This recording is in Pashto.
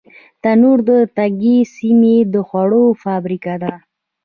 تنور د تنګې سیمې د خوړو فابریکه ده